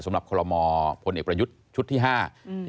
สำหรับข้อลมอพลเอ็กยุดชุดที่๕